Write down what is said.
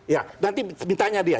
ya nanti ditanya dia